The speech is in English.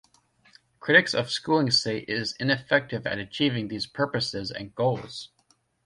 Critics of schooling say it is ineffective at achieving these purposes and goals.